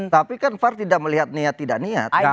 tapi kan far tidak melihat niat tidak niat